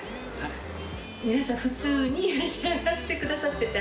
皆さん普通に召し上がってくださってて。